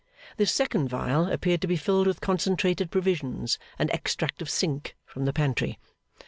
This second vial appeared to be filled with concentrated provisions and extract of Sink from the pantry.